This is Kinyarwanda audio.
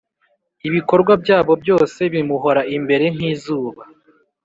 Ibikorwa byabo byose bimuhora imbere nk’izuba,